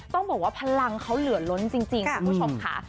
ต้องบอกว่าพลังเขาเหลือล้นจริงคุณผู้ชมค่ะ